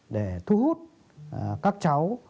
để thu hút các cháu